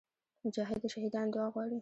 مجاهد د شهیدانو دعا غواړي.